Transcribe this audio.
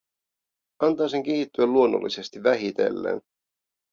Antaa sen kehittyä luonnollisesti, vähitellen.